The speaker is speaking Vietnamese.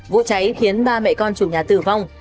vụ cháy khiến ba mẹ con chủ nhà tử vong